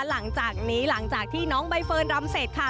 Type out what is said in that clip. หลังจากนี้หลังจากที่น้องใบเฟิร์นรำเสร็จค่ะ